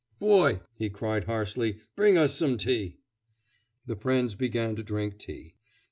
Boy!' he cried harshly, 'bring us some tea.' The friends began to drink tea.